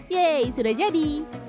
yeay sudah jadi